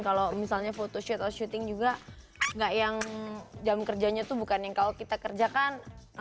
kalo misalnya photoshoot atau shooting juga gak yang jam kerjanya tuh bukan yang kalo kita kerjakan